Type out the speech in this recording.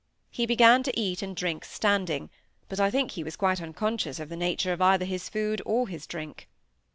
He began to eat and drink standing, but I think he was quite unconscious of the nature of either his food or his drink.